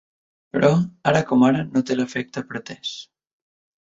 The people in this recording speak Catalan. Però, ara com ara, no té l’efecte pretès.